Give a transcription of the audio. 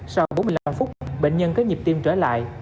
sau bốn mươi năm phút bệnh nhân có nhịp tim trở lại